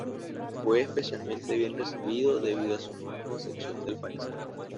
Fue especialmente bien recibido debido a su nueva concepción del paisaje.